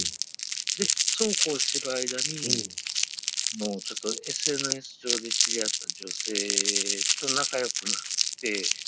でそうこうしてる間にＳＮＳ上で知り合った女性と仲良くなって。